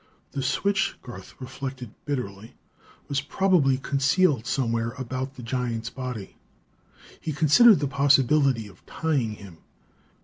The switch, Garth reflected bitterly, was probably concealed somewhere about the giant's body. He considered the possibility of tying him.